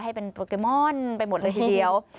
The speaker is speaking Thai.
ให้เป็นโปเกมอนไปหมดเลยทีเดียว